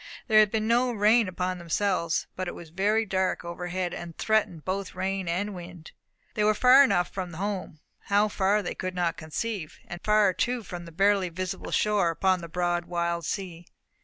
There had been no rain upon themselves, but it was very dark overhead, and threatened both rain and wind. They were far enough from home how far they could not conceive, and far too from the barely visible shore, upon the broad wild sea.